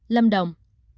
ba lâm đồng